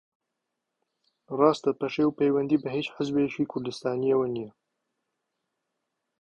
ڕاستە پەشێو پەیوەندی بە ھیچ حیزبێکی کوردستانییەوە نییە